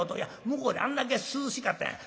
向こうであんだけ涼しかったんや。